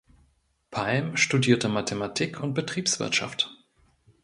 Palm studierte Mathematik und Betriebswirtschaft.